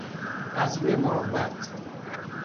از روی مروت